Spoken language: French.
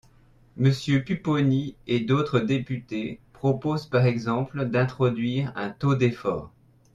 Monsieur Pupponi et d’autres députés proposent par exemple d’introduire un taux d’effort.